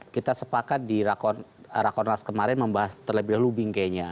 kita sepakat di rakornas kemarin membahas terlebih dahulu bingkainya